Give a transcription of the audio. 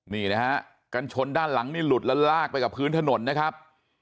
นี่นะฮะกันชนด้านหลังนี่หลุดแล้วลากไปกับพื้นถนนนะครับ